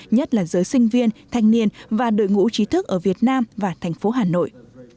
nhất là giới sinh viên thanh niên và đội ngũ trí thức ở việt nam và thành phố hà nội